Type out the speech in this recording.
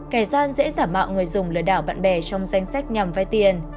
kẻ gian dễ giả mạo người dùng lừa đảo bạn bè trong danh sách nhằm vay tiền